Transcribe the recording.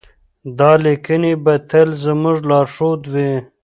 دا لیکنې به تل زموږ لارښود وي.